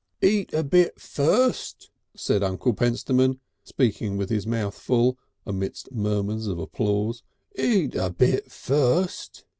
"Eat a bit fust," said Uncle Pentstemon, speaking with his mouth full, amidst murmurs of applause. "Eat a bit fust."